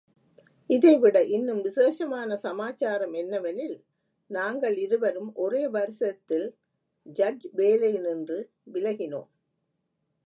இதைவிட இன்னும் விசேஷமான சமாச்சாரம் என்னவெனில், நாங்களிருவரும் ஒரே வருஷத்தில் ஜட்ஜ் வேலையினின்று விலகினோம்!